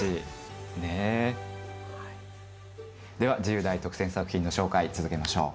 では自由題特選作品の紹介続けましょう。